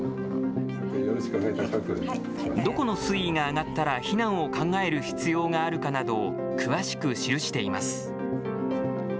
どこの水位が上がったら避難を考える必要があるかなどを詳しく記しています。